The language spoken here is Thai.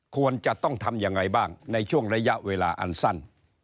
ควรจะต้องทำยังไงบ้างในช่วงระยะเวลาอันสั้น